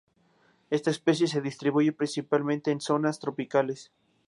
Esta especie se distribuye principalmente en zonas tropicales.